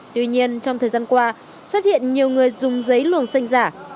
tuy nhiên trong thời gian qua xuất hiện nhiều người dùng giấy luồng sinh giả